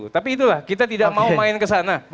tapi itulah kita tidak mau main kesana